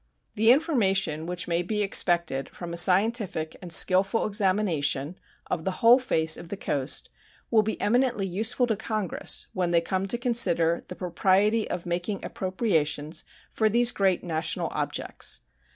The information which may be expected from a scientific and skillful examination of the whole face of the coast will be eminently useful to Congress when they come to consider the propriety of making appropriations for these great national objects.